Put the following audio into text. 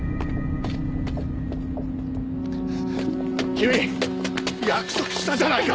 君約束したじゃないか